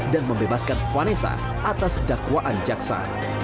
dan membebaskan vanessa atas dakwaan jaksa